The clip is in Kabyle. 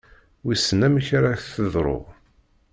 Wissen amek ara ak-teḍru.